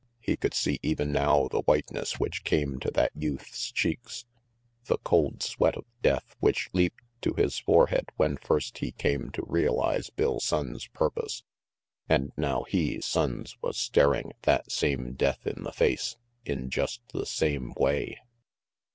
He could see even now the whiteness which came to that youth's cheeks, the cold sweat of death which leaped to his forehead when first he came to realize Bill Sonnes' purpose. And now he, Sonnes, was staring that same death in the face, in just the same way.